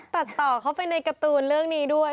ตัดต่อเข้าไปในการ์ตูนเรื่องนี้ด้วย